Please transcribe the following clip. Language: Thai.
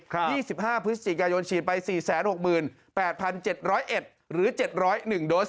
คือ๑๕พฤศจิกายนชีดไป๔๖๘๗๑หรือ๗๐๑โดซ